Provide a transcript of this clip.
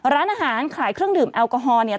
ร้านอาหารขายเครื่องดื่มแอลกอฮอล์เนี่ย